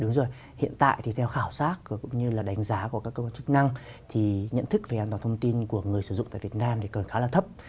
rồi hiện tại thì theo khảo sát cũng như là đánh giá của các cơ quan chức năng thì nhận thức về an toàn thông tin của người sử dụng tại việt nam thì còn khá là thấp